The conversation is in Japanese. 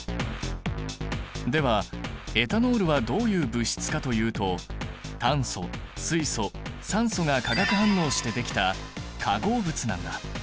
ではエタノールはどういう物質かというと炭素水素酸素が化学反応してできた化合物なんだ。